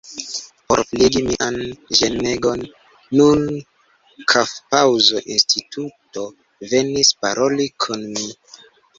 Por flegi mian ĝenegon, dum kafpaŭzo instruisto venis paroli kun mi.